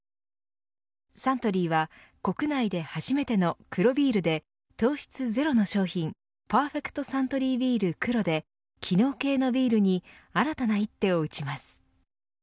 サントリーは国内で初めての黒ビールで、糖質ゼロの商品パーフェクトサントリービール黒で機能系のビールに新たな一手を打ちます。